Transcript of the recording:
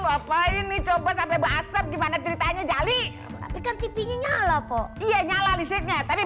lupa ini coba sampai basah gimana ceritanya jali tapi kan tipinya nyala iya nyala listriknya tapi